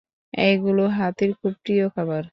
এগুলো হাতির খুবই প্রিয় খাবার।